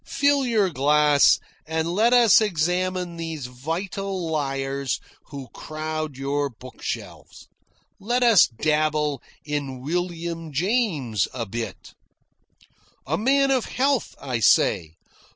Fill your glass and let us examine these vital liars who crowd your bookshelves. Let us dabble in William James a bit." "A man of health," I say.